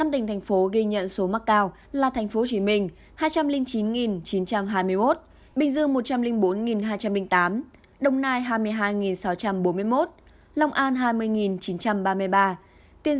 năm tỉnh thành phố ghi nhận số mắc cao là thành phố hồ chí minh hai trăm linh chín chín trăm hai mươi một bình dương một trăm linh bốn hai trăm linh tám đồng nai hai mươi hai sáu trăm bốn mươi một lòng an hai mươi chín trăm ba mươi ba tiên giang chín hai trăm một mươi bảy